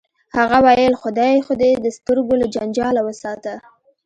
هغه ویل خدای خو دې د سترګو له جنجاله وساته